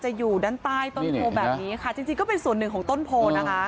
อยู่ด้านใต้ต้นโพแบบนี้ค่ะจริงจริงก็เป็นส่วนหนึ่งของต้นโพนะคะ